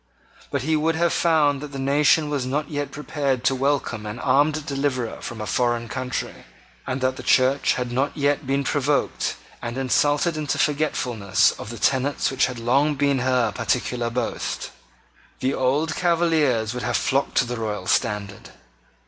But he would have found that the nation was not yet prepared to welcome an armed deliverer from a foreign country, and that the Church had not yet been provoked and insulted into forgetfulness of the tenet which had long been her peculiar boast. The old Cavaliers would have flocked to the royal standard.